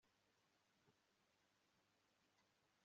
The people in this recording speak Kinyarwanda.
Yakoraga cyane ku buryo yangije ubuzima bwe